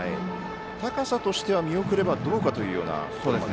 高さとしては見送ればどうかというところ。